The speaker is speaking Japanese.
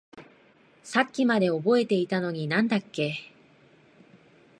さっきまで覚えていたのに何だっけ？